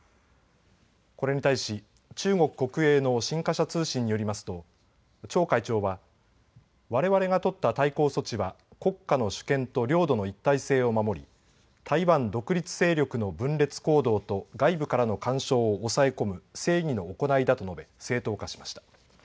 これに対し中国国営の新華社通信によりますと張会長はわれわれが取った対抗措置は国家の主権と領土の一体性を守り、台湾独立勢力の分裂行動と外部からの干渉を抑え込む正義の行いだと述べ正当化しました。